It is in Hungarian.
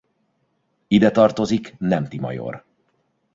Ide tartozik Nemthy-major.